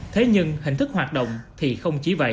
thế nhưng hình thức hoạt động thì không chỉ vậy